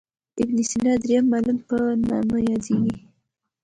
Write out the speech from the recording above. ابن سینا درېم معلم په نامه یادیږي.